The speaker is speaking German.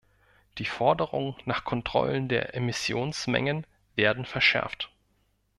Die Forderungen nach Kontrollen der Emissionsmengen werden verschärft.